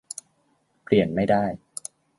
เปลี่ยนไม่ได้